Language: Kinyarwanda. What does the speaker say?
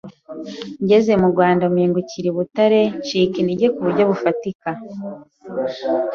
ngeze mu Rwanda mpingukira I butare ncika intege ku buryo bufatika